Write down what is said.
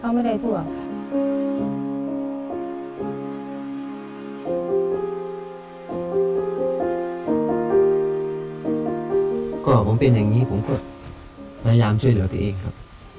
ก็ผมเป็นแบบนี้ก็พยายามช่วยเหลือตัวเองครับก็เป็นแบบนี้ก็อญ่าช่วยกับตัวตัวเองครับ